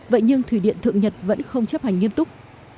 vậy nhưng thủy điện thượng nhật vẫn không chấp hành nghiêm túc